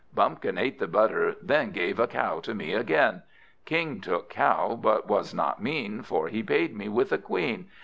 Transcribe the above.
Bumpkin ate the butter, then Gave a cow to me again. King took cow, but was not mean, For he paid me with a Queen.